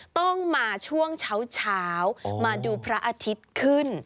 ต้องมาช่วงเช้ามาดูพระอาทิตย์ขึ้น